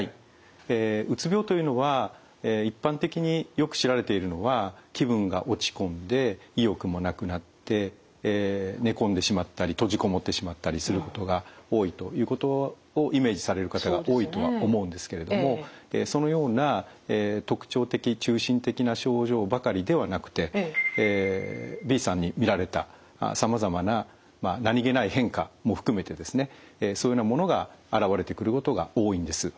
うつ病というのは一般的によく知られているのは気分が落ち込んで意欲もなくなって寝込んでしまったり閉じ籠もってしまったりすることが多いということをイメージされる方が多いとは思うんですけれどもそのような特徴的中心的な症状ばかりではなくてＢさんにみられたさまざまな何気ない変化も含めてそういうようなものが現れてくることが多いんです。